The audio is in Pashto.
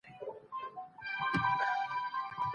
ولي بايد ظلم و نه منل سي؟